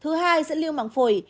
thứ hai dẫn lưu măng phổi